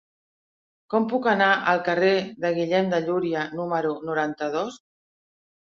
Com puc anar al carrer de Guillem de Llúria número noranta-dos?